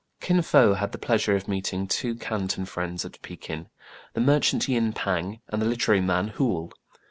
Kin Fo had the pleasure of meeting two Canton friends at Pekin, — the merchant Yin Pang and the literary man Houal.